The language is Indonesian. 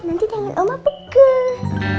nanti pengen oma peguh